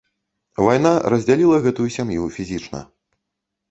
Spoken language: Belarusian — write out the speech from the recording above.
Вайна раздзяліла гэту сям'ю фізічна.